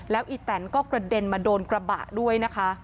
แล้วอีแตนก็กระเด็นมาโดนกระบะด้วยนะคะ